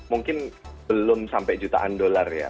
mungkin belum sampai jutaan dolar ya